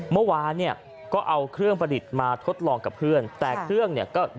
เมื่อวานเนี่ยก็เอาเครื่องประดิษฐ์มาทดลองกับเพื่อน